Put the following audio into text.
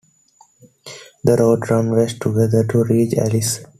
The roads run west together to reach Alice.